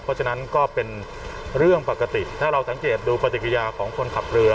เพราะฉะนั้นก็เป็นเรื่องปกติถ้าเราสังเกตดูปฏิกิริยาของคนขับเรือ